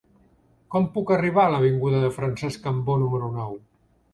Com puc arribar a l'avinguda de Francesc Cambó número nou?